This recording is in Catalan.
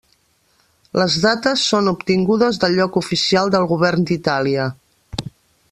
Les dates són obtingudes del lloc oficial del Govern d'Itàlia.